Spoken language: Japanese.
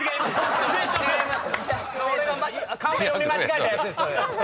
それ俺がカンペ読み間違えたやつです。